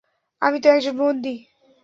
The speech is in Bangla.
আমি তো একজন বন্দী।